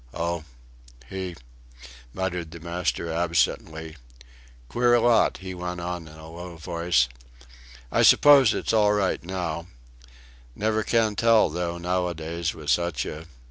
"O! he!" muttered the master, absently. "Queer lot," he went on in a low voice. "I suppose it's all right now. Can never tell tho' nowadays, with such a...